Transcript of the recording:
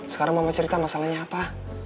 sekarang mama cerita masalahnya apa